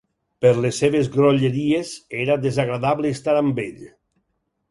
Per les seves grolleries era desagradable estar amb ell.